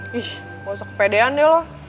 wih gak usah kepedean dia loh